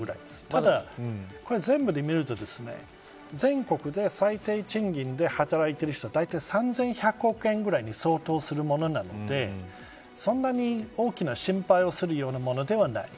ただ、これ全部で見ると全国で最低賃金で働いている人だいたい３１００億円ぐらいに相当するものなのでそんなに大きな心配をするようなものではない。